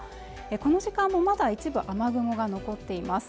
この時間もまだ一部雨雲が残っています